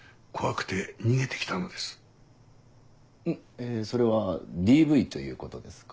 えそれはＤＶということですか？